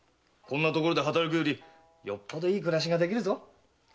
こんなところで働くよりよっぽどいい暮らしができるぞ。